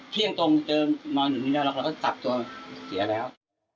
เพียงตรงเจอนอนอยู่นี่เราก็จับตัวเสียแล้ว